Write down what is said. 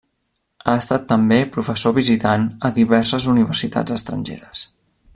Ha estat també professor visitant a diverses universitats estrangeres.